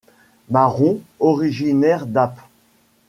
Marron, originaires d'Apt.